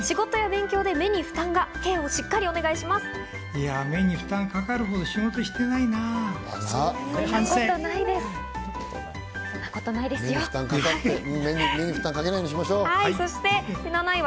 目に負担がかかるほど仕事してないな。